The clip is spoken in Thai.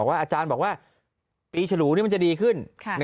อาจารย์บอกว่าปีฉลูนี่มันจะดีขึ้น